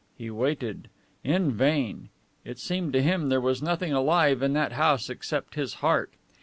He waited. In vain. It seemed to him there was nothing alive in that house except his heart.